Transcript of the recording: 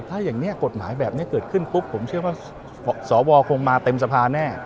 ถ้าอย่างนี้กฎหมายแบบนี้เกิดขึ้นปุ๊บผมเชื่อว่าสวคงมาเต็มสภาแน่